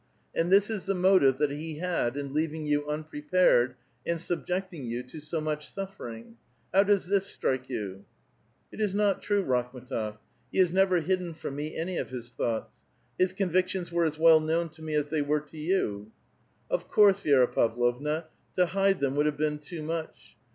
And this is the motive that he had in leaving 3'oa unprepared and subjecting you to so much suffering. How does this strike you ?"'* It is not true, Uakhm^tof. He has never hidden from me any of his thoughts. His convictions were as well known to me as they were to you." '* Of course, Vi^ra Pavlovna, to hide them would have been too much.